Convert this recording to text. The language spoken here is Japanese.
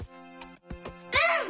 うん！